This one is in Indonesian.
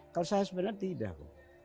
kalau saya sebenarnya tidak